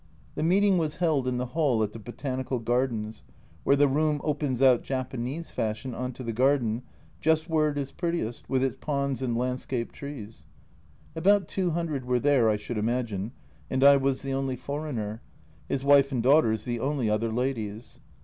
The meet ing was held in the hall in the Botanical Gardens, where the room opens out Japanese fashion on to the garden, just where it is prettiest, with its ponds and landscape trees. About 200 were there, I should imagine, and I was the only foreigner his wife and daughters the only other ladies.